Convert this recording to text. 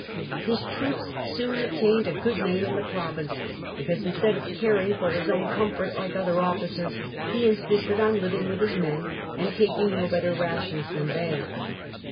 His troops soon obtained a good name in the province, because, instead of caring for his own comfort like other officers, he insisted on living with the men and taking no better rations than they.